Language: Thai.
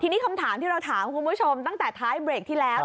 ที่นี่คำถามคุณผู้ชมตั้งแต่ท้ายเบรกที่แล้ว